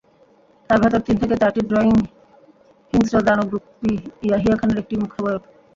তার ভেতর তিন থেকে চারটি ড্রয়িং হিংস্র দানবরূপী ইয়াহিয়া খানের একটি মুখাবয়ব।